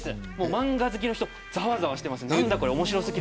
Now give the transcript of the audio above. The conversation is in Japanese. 漫画好きの人がざわざわしています。